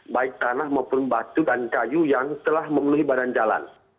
baik tanah maupun batu dan kayu yang telah memenuhi badan jalan